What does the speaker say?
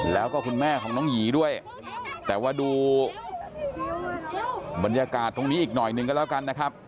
แล้วก็คุณแม่ของน้องหยีด้วยแต่ว่าดูบรรยากาศตรงนี้อีกหน่อยหนึ่งก็แล้วกันนะครับ